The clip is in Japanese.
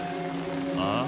ああ？